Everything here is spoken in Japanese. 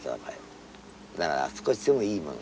だから少しでもいいものがいい。